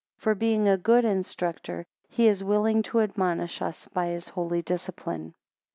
For being a good instructor, he is willing to admonish us by his holy discipline.